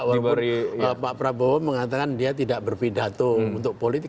walaupun pak prabowo mengatakan dia tidak berpidato untuk politik